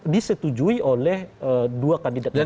disetujui oleh dua kandidat yang lain